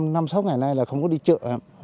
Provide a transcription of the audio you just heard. năm sáu ngày nay là không có đi chợ